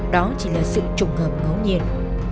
đó chỉ là sự trùng hợp ngấu nhiên